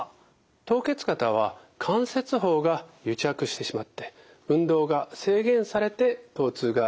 凍結肩は関節包が癒着してしまって運動が制限されてとう痛が出る疾患です。